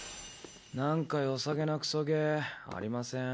なんかよさげなクソゲーありません？